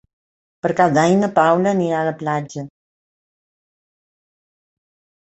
Per Cap d'Any na Paula anirà a la platja.